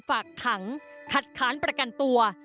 ฝากขังคัดค้านประกันตัว